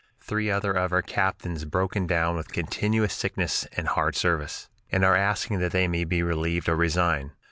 Three other of our captains broken down with continuous sickness and hard service, and are asking that they may be relieved or resign.